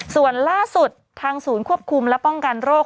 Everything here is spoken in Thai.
ส่วนล่าสุดทางศูนย์ควบคุมและป้องกันโรค